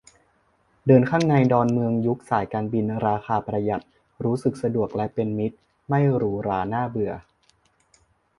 เดินข้างในดอนเมืองยุคสายการบินราคาประหยัด รู้สึกสะดวกและเป็นมิตร ไม่หรูหราน่าเบื่อ